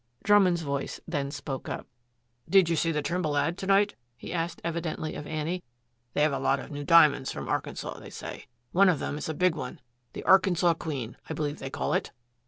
Drummond's voice then spoke up. "Did you see the Trimble ad. to night?" he asked, evidently of Annie. "They have a lot of new diamonds from Arkansas, they say, one of them is a big one, the Arkansas Queen, I believe they call it."